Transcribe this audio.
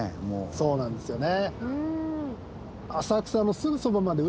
そうなんですよね。